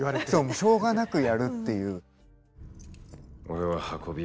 しょうがなくやるっていう。